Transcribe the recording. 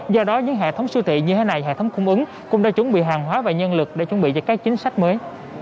do đó những hệ thống siêu thị như thế này hệ thống cung ứng cũng đã chuẩn bị hàng hóa và nhân lực để chuẩn bị cho các chính sách mới